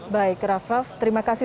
baik raff raff terimakasih